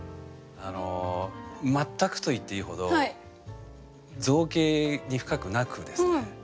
あの全くと言っていいほど造詣に深くなくですね。